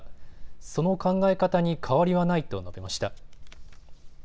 その考え方に変わりはないと述べました。